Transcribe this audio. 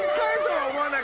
はい。